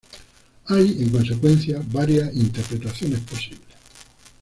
Hay, en consecuencia, varias interpretaciones posibles.